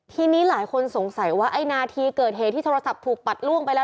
ทีนี้หลายคนสงสัยว่าไอ้นาทีเกิดเหตุที่โทรศัพท์ถูกปัดล่วงไปแล้ว